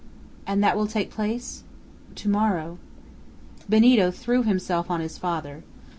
"And that will take place?" "To morrow." Benito threw himself on his father.